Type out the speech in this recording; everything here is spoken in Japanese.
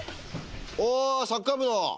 おサッカー部の。